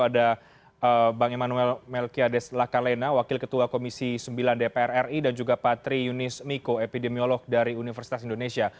ada bang emmanuel melkiades lakalena wakil ketua komisi sembilan dpr ri dan juga pak tri yunis miko epidemiolog dari universitas indonesia